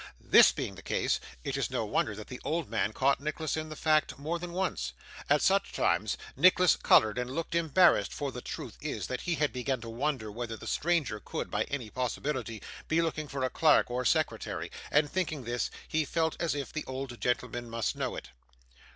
This being the case, it is no wonder that the old man caught Nicholas in the fact, more than once. At such times, Nicholas coloured and looked embarrassed: for the truth is, that he had begun to wonder whether the stranger could, by any possibility, be looking for a clerk or secretary; and thinking this, he felt as if the old gentleman must know it.